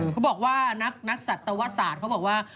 เขาบอกว่านักนักศัตริย์ตะวัศน์เขาบอกว่า